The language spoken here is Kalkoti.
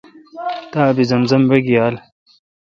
تا آب زمزم وئ گیال۔